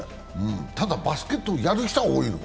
ただ、バスケット、やる人は多いの。